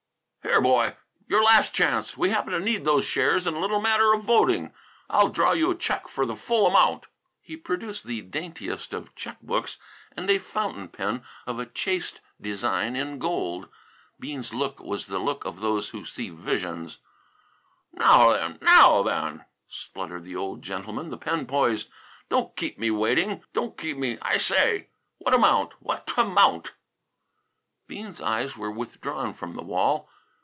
"Here, boy, your last chance. We happen to need those shares in a little matter of voting. I'll draw you a check for the full amount." He produced the daintiest of check books and a fountain pen of a chaste design in gold. Bean's look was the look of those who see visions. "Now then, now then!" spluttered the old gentleman, the pen poised. "Don't keep me waiting; don't keep me, I say! What amount? Wha' tamount?" Bean's eyes were withdrawn from the wall.